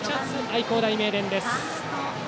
愛工大名電です。